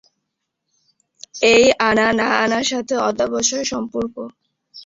এই আনা না আনার সাথে অধ্যবসায়ের সম্পর্ক।